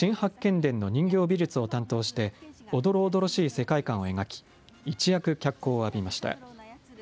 伝の人形美術を担当して、おどろおどろしい世界観を描き、一躍、脚光を浴びました。